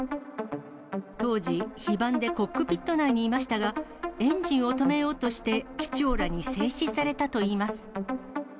当時、非番でコックピット内にいましたが、エンジンを止めようとして機長らに制止されたといいます。